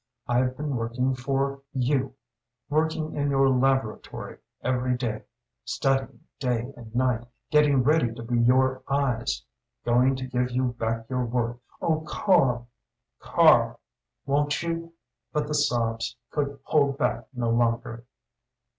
I've been working for you working in your laboratory every day studying day and night getting ready to be your eyes going to give you back your work oh, Karl Karl won't you " but the sobs could hold back no longer.